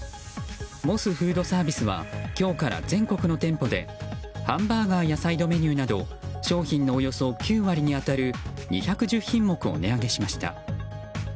モスフードサービスは今日から全国の店舗でハンバーガーやサイドメニューなど商品のおよそ９割に当たる２１０品目を値上げしました。